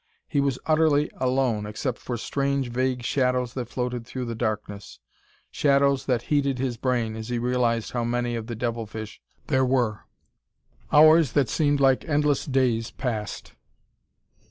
He was utterly alone, except for strange, vague shadows that floated through the darkness shadows that heated his brain as he realized how many of the devil fish there were. Hours that seemed like endless days passed.